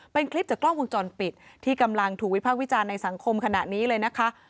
เป็นคลิปจากกล้องวงจรปิดที่กำลังถูกวิภาควิจารณ์ในสังคมขณะนี้เลยนะคะ